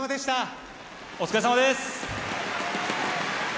お疲れさまです。